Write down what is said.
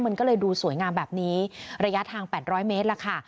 มันก็เลยดูสวยงามแบบนี้ระยะทาง๘๐๐เมตรล่ะค่ะ